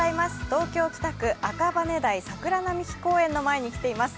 東京・北区赤羽台桜並木公園の前に来ています。